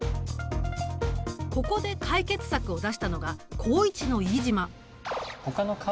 ここで解決策を出したのが高１の飯島。